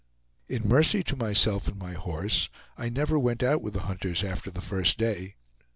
In mercy to myself and my horse, I never went out with the hunters after the first day.